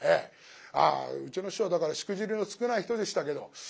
ああうちの師匠はだからしくじりの少ない人でしたけど